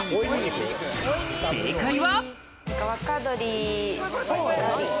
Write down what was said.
正解は。